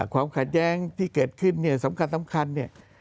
ความขัดแย้งที่เกิดขึ้นเนี่ยสำคัญเนี่ย